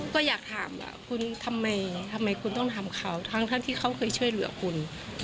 ก็อยากถามว่าคุณทำไมคุณต้องทำเขาทั้งที่เขาเคยช่วยเหลือคุณ